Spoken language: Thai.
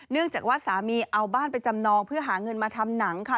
จากว่าสามีเอาบ้านไปจำนองเพื่อหาเงินมาทำหนังค่ะ